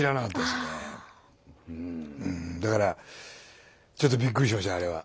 だからちょっとびっくりしましたあれは。